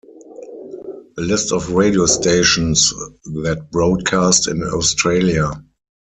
A list of radio stations that broadcast in Australia.